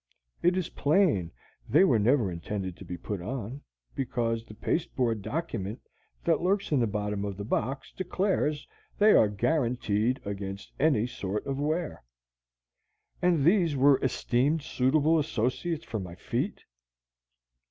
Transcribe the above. It is plain that they were never intended to be put on, because the paste board document that lurks in the bottom of the box declares they are "guaranteed against any sort of wear." And these were esteemed suitable associates for my feet!